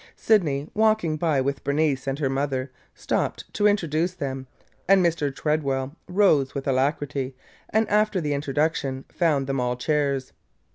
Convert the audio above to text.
Sydney, walking by with Bernice and her mother, stopped to introduce them, and Mr. Tredwell rose with alacrity and after the introduction found them all chairs.